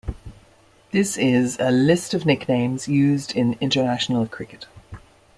This is a List of nicknames used in international cricket.